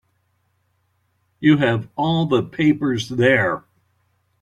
You have all the papers there.